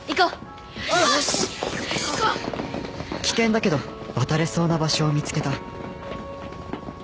「危険だけど渡れそうな場所を見つけた」